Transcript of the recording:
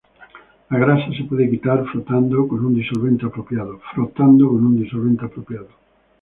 La grasa se puede quitar frotando con un disolvente apropiado.